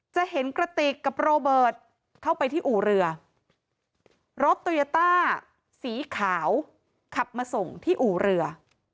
จะเห็นกระติกกับโรเบิร์ตเข้าไปที่อู่เรือรถโตโยต้าสีขาวขับมาส่งที่อู่เรือ